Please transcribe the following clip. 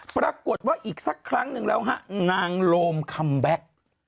ปรากฏว่าอีกสักครั้งหนึ่งแล้วฮะนางโลมคัมแบ็ค